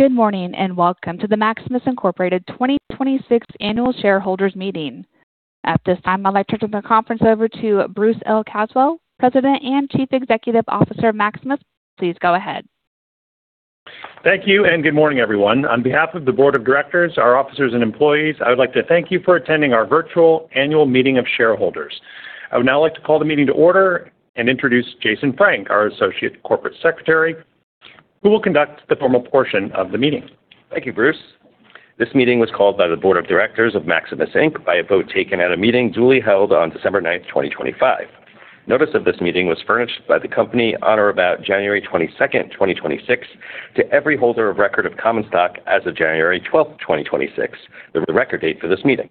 Good morning, and welcome to the Maximus, Inc. 2026 Annual Shareholders Meeting. At this time, I'd like to turn the conference over to Bruce L. Caswell, President and Chief Executive Officer of Maximus. Please go ahead. Thank you, and good morning, everyone. On behalf of the board of directors, our officers and employees, I would like to thank you for attending our virtual annual meeting of shareholders. I would now like to call the meeting to order and introduce James Francis, our Associate Corporate Secretary, who will conduct the formal portion of the meeting. Thank you, Bruce. This meeting was called by the Board of Directors of Maximus, Inc. By a vote taken at a meeting duly held on December 9, 2025. Notice of this meeting was furnished by the company on or about January 22, 2026 to every holder of record of common stock as of January 12, 2026, the record date for this meeting.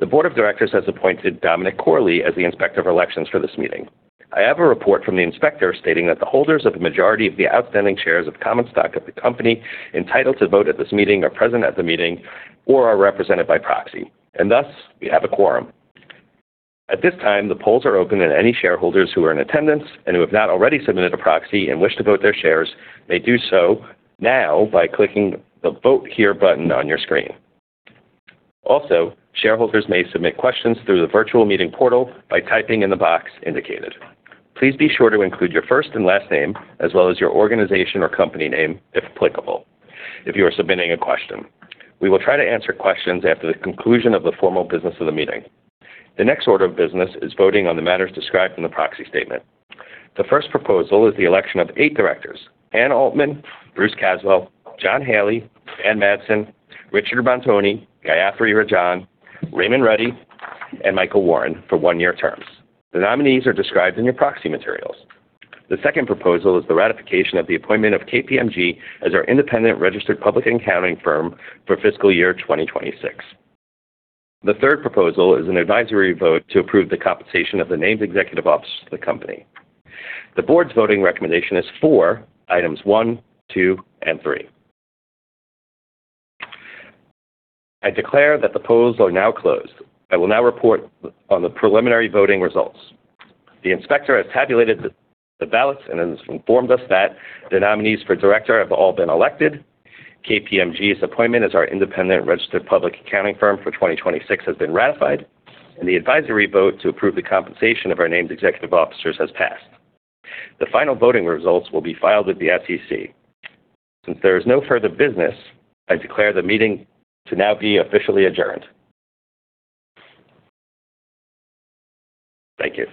The Board of Directors has appointed Dominic Corley as the Inspector of Elections for this meeting. I have a report from the inspector stating that the holders of the majority of the outstanding shares of common stock of the company entitled to vote at this meeting are present at the meeting or are represented by proxy, and thus we have a quorum. At this time, the polls are open, and any shareholders who are in attendance and who have not already submitted a proxy and wish to vote their shares may do so now by clicking the Vote Here button on your screen. Also, shareholders may submit questions through the virtual meeting portal by typing in the box indicated. Please be sure to include your first and last name as well as your organization or company name if applicable if you are submitting a question. We will try to answer questions after the conclusion of the formal business of the meeting. The next order of business is voting on the matters described in the proxy statement. The first proposal is the election of eight directors, Anne Altman, Bruce Caswell, John Haley, Dan Madsen, Richard Nadeau, Gayathri Rajan, Raymond Ruddy, and Michael Warren, for one-year terms. The nominees are described in your proxy materials. The second proposal is the ratification of the appointment of KPMG as our independent registered public accounting firm for fiscal year 2026. The third proposal is an advisory vote to approve the compensation of the named executive officers of the company. The board's voting recommendation is for items one, two, and 3. I declare that the polls are now closed. I will now report on the preliminary voting results. The inspector has tabulated the ballots and has informed us that the nominees for director have all been elected. KPMG's appointment as our independent registered public accounting firm for 2026 has been ratified, and the advisory vote to approve the compensation of our named executive officers has passed. The final voting results will be filed with the SEC. Since there is no further business, I declare the meeting to now be officially adjourned. Thank you.